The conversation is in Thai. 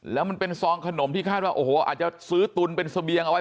แล้วมันเป็นซองขนมที่คาดว่าโอ้โหอาจจะซื้อตุนเป็นเสบียงเอาไว้